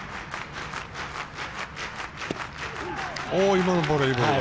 今のボール、いいボール。